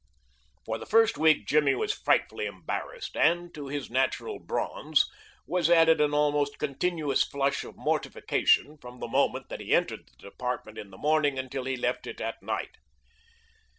For the first week Jimmy was frightfully embarrassed, and to his natural bronze was added an almost continuous flush of mortification from the moment that he entered the department in the morning until he left it at night.